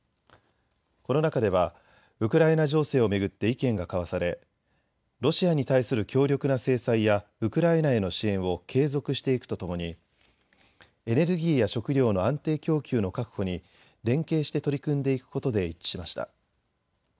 この中ではウクライナ情勢を巡って意見が交わされロシアに対する強力な制裁やウクライナへの支援を継続していくとともにエネルギーや食料の安定供給の確保に連携して取り組んでいくことで一致しました。